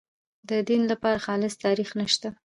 د دین لپاره خالص تاریخ نشته.